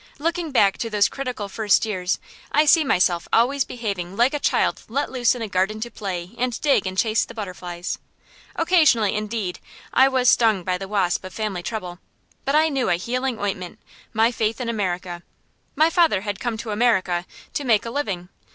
Looking back to those critical first years, I see myself always behaving like a child let loose in a garden to play and dig and chase the butterflies. Occasionally, indeed, I was stung by the wasp of family trouble; but I knew a healing ointment my faith in America. My father had come to America to make a living.